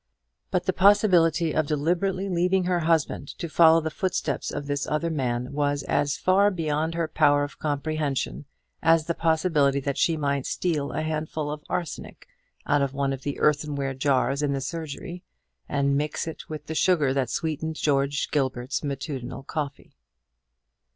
But the possibility of deliberately leaving her husband to follow the footsteps of this other man, was as far beyond her power of comprehension as the possibility that she might steal a handful of arsenic out of one of the earthenware jars in the surgery, and mix it with the sugar that sweetened George Gilbert's matutinal coffee.